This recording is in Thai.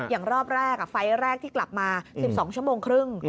อย่างรอบแรกไฟล์แรกที่กลับมา๑๒ชั่วโมงครึ่ง